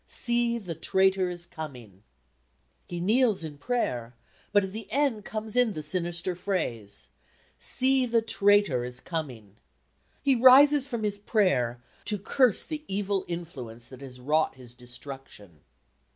"See the traitor is coming." He kneels in prayer, but at the end comes in the sinister phrase, "See the traitor is coming." He rises from his prayer to curse the evil influence that has wrought his destruction.